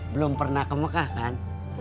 belum pernah ke mekah kan